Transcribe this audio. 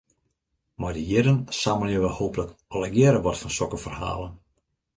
Mei de jierren sammelje we hooplik allegearre wat fan sokke ferhalen.